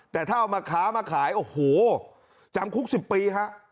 แต่ถ้าเอามาค้ามาขายโอ้โหจำคุก๑๐ปีฮะ